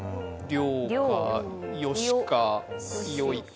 りょうか、よしか、よいか。